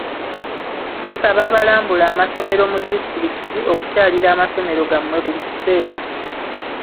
Musaba abalambula amasomero mu disitulikiti okukyalira amasomero gammwe buli kiseera.